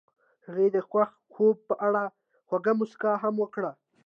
هغې د خوښ خوب په اړه خوږه موسکا هم وکړه.